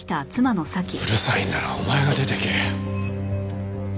うるさいならお前が出ていけ。